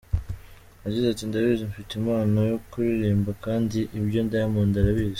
Yagize ati “ Ndabizi, mfite impano yo kuririmba, kandi ibyo na Diamond arabizi.